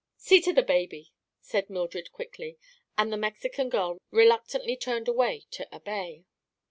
"See to the baby," said Mildred quickly, and the Mexican girl reluctantly turned away to obey.